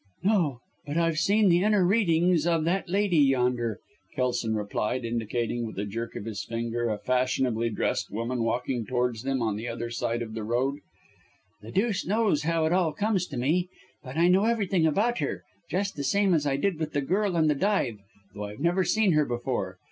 "No! but I've seen the inner readings of that lady yonder," Kelson replied, indicating with a jerk of his finger a fashionably dressed woman walking towards them on the other side of the road. "The deuce knows how it all comes to me, but I know everything about her, just the same as I did with the girl in the dive though I've never seen her before.